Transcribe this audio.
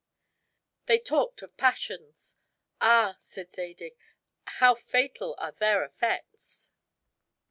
They talked of passions. "Ah," said Zadig, "how fatal are their effects!"